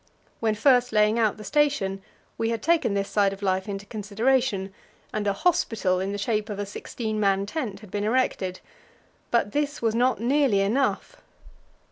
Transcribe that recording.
When first laying out the station, we had taken this side of life into consideration, and a "hospital" in the shape of a sixteen man tent had been erected; but this was not nearly enough.